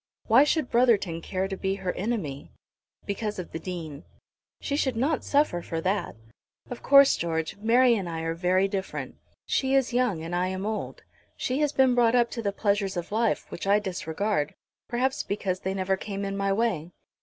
"Why should Brotherton care to be her enemy?" "Because of the Dean." "She should not suffer for that. Of course, George, Mary and I are very different. She is young and I am old. She has been brought up to the pleasures of life, which I disregard, perhaps because they never came in my way.